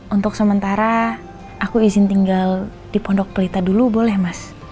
untuk sementara aku izin tinggal di pondok pelita dulu boleh mas